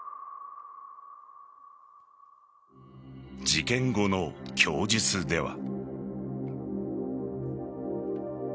事件後の供述では。